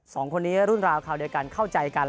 สองคนนี้รุ่นราวคราวเดียวกันเข้าใจกัน